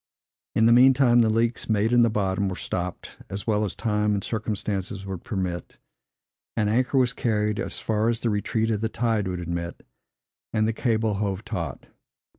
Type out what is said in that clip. In the mean time, the leaks, made in the bottom, were stopped, as well as time and circumstances would permit; an anchor was carried as far as the retreat of the tide would admit, and the cable hove taut.